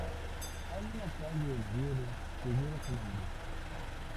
Hay una calle en Oviedo que lleva su nombre.